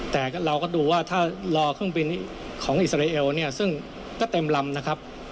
แต่เราก็ดูว่าถ้ารอเครื่องบินของอิสราเอลเนี่ยซึ่งก็เต็มลำนะครับ